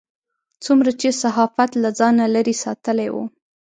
څومره چې صحافت له ځانه لرې ساتلی و.